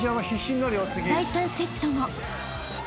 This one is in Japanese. ［第３セットも］